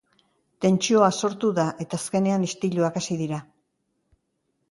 Tentsioa sortu da, eta, azkenean, istiluak hasi dira.